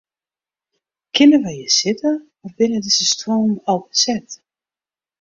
Kinne wy hjir sitte of binne dizze stuollen al beset?